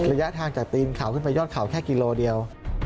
ก็แยะทางจากตีนข่าวขึ้นไปยอดข่าวแค่กิโลเดียว